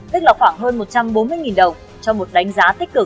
tức là khoảng hơn một đồng